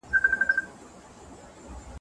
لکه الماس چې مات شي